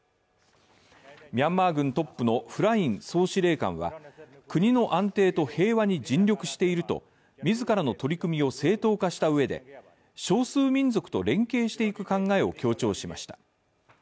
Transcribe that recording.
ミャンマー軍トップのフライン総司令官は国の安定と平和に尽力していると自らの取り組みを正当化したうえで少数民族と連携していく考えを強調しました。